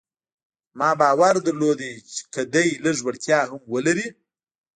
ما باور درلود چې که دی لږ وړتيا هم ولري.